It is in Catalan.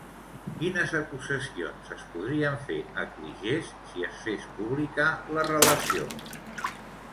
Quines acusacions es podrien fer a Cligès si es fes pública la relació?